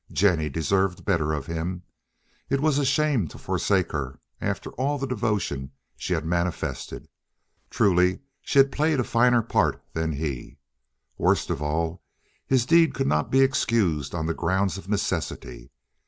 Jennie deserved better of him. It was a shame to forsake her after all the devotion she had manifested. Truly she had played a finer part than he. Worst of all, his deed could not be excused on the grounds of necessity.